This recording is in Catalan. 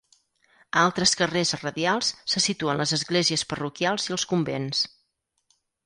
A altres carrers radials se situen les esglésies parroquials i els convents.